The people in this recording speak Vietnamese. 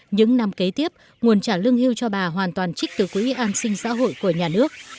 những năm kế tiếp nguồn trả lương hưu cho bà hoàn toàn trích từ quỹ an sinh xã hội của nhà nước